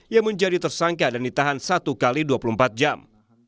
yang menjadi tersangka dan ditahan satu x dua puluh empat jam